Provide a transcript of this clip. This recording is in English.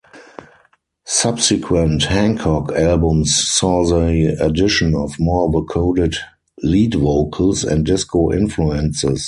Subsequent Hancock albums saw the addition of more vocoded lead vocals and disco influences.